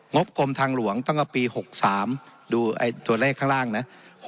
บกรมทางหลวงตั้งแต่ปี๖๓ดูตัวเลขข้างล่างนะ